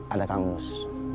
ada kang mus